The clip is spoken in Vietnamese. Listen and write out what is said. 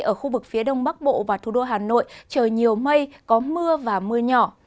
ở khu vực phía đông bắc bộ và thủ đô hà nội trời nhiều mây có mưa và mưa nhỏ